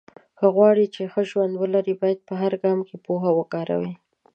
که غواړې چې ښه ژوند ولرې، باید په هر ګام کې پوهه وکاروې.